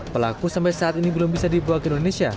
pelaku sampai saat ini belum bisa dibawa ke indonesia